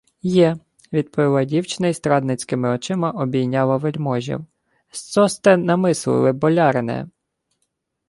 — Є, — відповіла дівчина й страдницькими очима обійняла вельможів. — Сцо сте намислили, болярине?